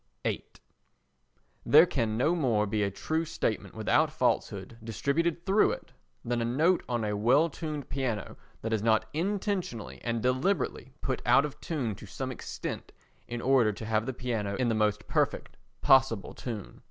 viii There can no more be a true statement without falsehood distributed through it, than a note on a well tuned piano that is not intentionally and deliberately put out of tune to some extent in order to have the piano in the most perfect possible tune.